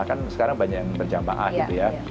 kan sekarang banyak yang berjamaah gitu ya